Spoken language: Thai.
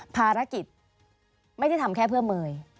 ภารกิจไม่ได้ทำแค่เพื่อเมย์